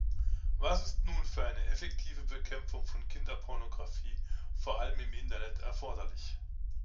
Was ist nun für eine effektive Bekämpfung von Kinderpornographie, vor allem im Internet, erforderlich?